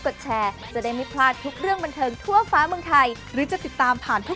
คนที่ไปเวลาใส่เสื้อไทยรัฐ